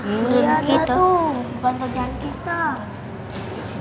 iya dia tuh bukan kerjaan kita